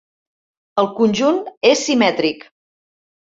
El conjunt és simètric.